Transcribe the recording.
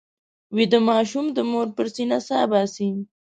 ویده ماشوم د مور پر سینه سا باسي